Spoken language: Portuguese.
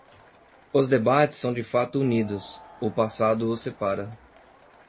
Os debates são de fato unidos; o passado os separa.